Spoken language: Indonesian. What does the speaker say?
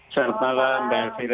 selamat malam mbak elvira